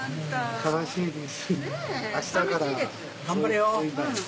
寂しいです。